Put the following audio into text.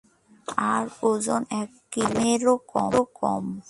আর ওজন এক কিলোগ্রামেরও কম।